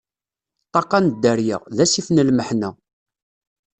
Ṭṭaqqa n dderya, d asif n lmeḥna.